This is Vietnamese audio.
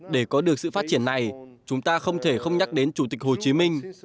để có được sự phát triển này chúng ta không thể không nhắc đến chủ tịch hồ chí minh